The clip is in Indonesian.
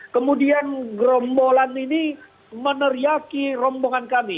kemudian gerombolan ini meneriaki rombongan kami